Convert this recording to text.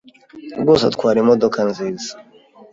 rwose atwara imodoka nziza.